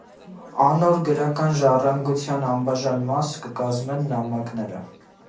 Անոր գրական ժառանգութեան անբաժան մաս կը կազմեն նամակները։